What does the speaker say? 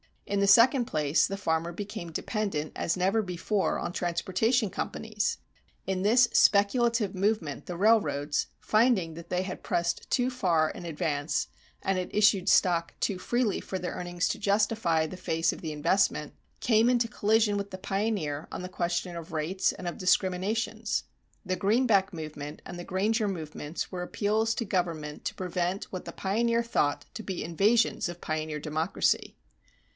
In the second place the farmer became dependent as never before on transportation companies. In this speculative movement the railroads, finding that they had pressed too far in advance and had issued stock to freely for their earnings to justify the face of the investment, came into collision with the pioneer on the question of rates and of discriminations. The Greenback movement and the Granger movements were appeals to government to prevent what the pioneer thought to be invasions of pioneer democracy.